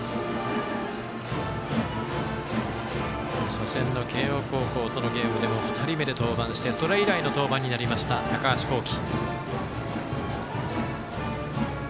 初戦の慶応高校とのゲームでも２人目で登板してそれ以来の登板になりました高橋煌稀。